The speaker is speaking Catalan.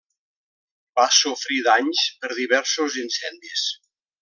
Va sofrir danys per diversos incendis.